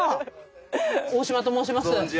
大島と申します。